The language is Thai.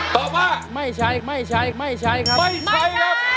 ตอบว่าไม่ใช้ครับไม่ใช้ครับไม่ใช้